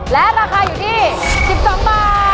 และราคาอยู่ที่๑๒บาท